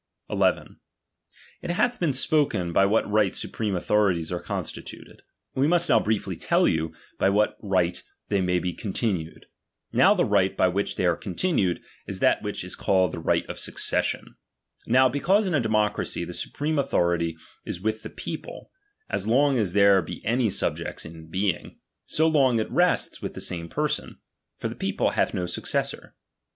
ThB questiou 1 1 . It hath bccu spoltcn, by what right supreme riebiofsuMB.. authorities are constituted. We must now briefly Now the right by which they are continued, is that which is called the right of succession. Now be cause in a democracy the supreme authority is with the people, as long as there be any subjects in being, so long it rests with the same person ; for the people hath no successor.